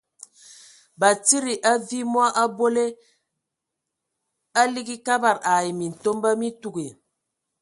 Batsidi, a viimɔ a a abole, a ligi Kabad ai Mintomba mi tuugi.